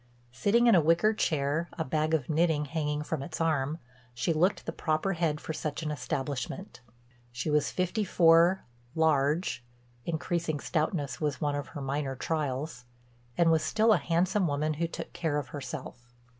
Sitting in a wicker chair, a bag of knitting hanging from its arm, she looked the proper head for such an establishment. She was fifty four, large—increasing stoutness was one of her minor trials—and was still a handsome woman who "took care of herself."